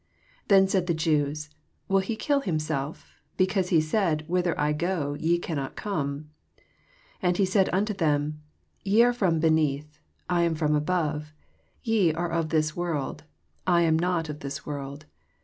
22 Then said the Jews, Will he kill himself? beoaoaehe sailh. Whither I go, yo cannot come. 23 And he said nnto them. Ye are from beneath; I am from above: ye are of this world; I am not of this world.